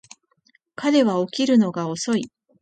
彼は起きるのが遅い